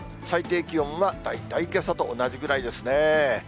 最低気温は大体けさと同じぐらいですね。